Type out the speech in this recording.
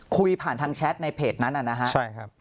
คุยผ่านทางแชทในเพจนั้นนะฮะใช่ครับ